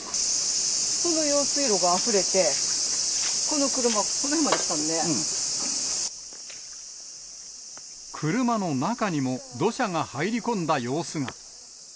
この用水路があふれて、この車も、車の中にも土砂が入り込んだ様子が。